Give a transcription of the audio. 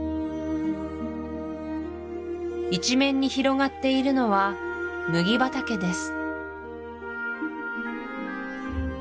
一面に広がっているのは麦畑です